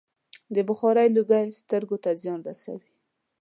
د بخارۍ لوګی سترګو ته زیان رسوي.